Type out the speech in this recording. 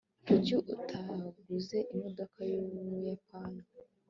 kuki utaguze imodoka yubuyapani